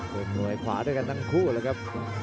เป็นมวยขวาด้วยกันทั้งคู่เลยครับ